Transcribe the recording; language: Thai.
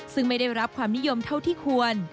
ซึ่งไม่ได้รับความนิยมเท่าที่ควร